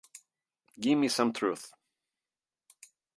Gimme Some Truth.